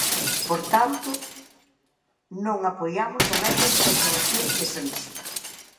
Por tanto, non apoiamos o método de aprobación desa lista.